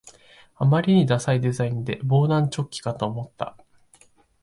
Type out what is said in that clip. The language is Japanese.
あまりにダサいデザインで防弾チョッキかと思った